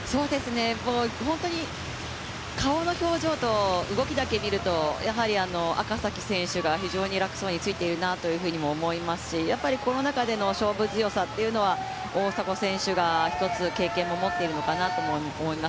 顔の表情と動きだけ見ると赤崎選手が非常に楽そうについているなと思いますし、やっぱりこの中での勝負強さというのは大迫選手が非常に経験も持っているのかなと思います。